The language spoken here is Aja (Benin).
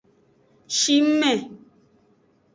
Shingme.